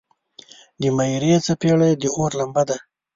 د میرې څپیړه د اور لمبه ده.